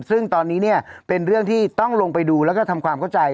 ซึ่งตอนนี้เนี่ยเป็นเรื่องที่ต้องลงไปดูแล้วก็ทำความเข้าใจ